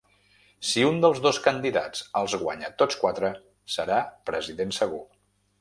Si un dels dos candidats els guanya tots quatre serà president segur.